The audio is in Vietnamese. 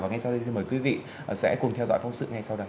và ngay sau đây xin mời quý vị sẽ cùng theo dõi phóng sự ngay sau đây